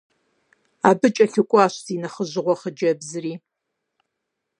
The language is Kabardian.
Абы кӏэлъыкӏуащ зи нэхъыжьыгъуэ хъыджэбзри.